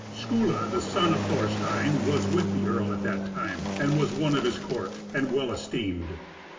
Skuli, the son of Thorstein, was with the earl at that time, and was one of his court, and well esteemed.